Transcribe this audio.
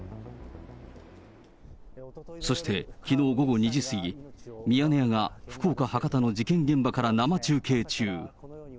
そしてきのう午後２時過ぎ、ミヤネ屋が福岡・博多の事件現場から生中継中。